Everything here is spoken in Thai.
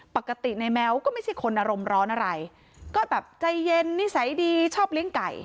ปกติในแม้วก็ไม่ใช่คนอารมณ์ร้อนอะไรก็แบบใจเย็นนิสัยดีชอบเลี้ยงไก่